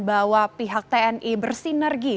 bahwa pihak tni bersinergi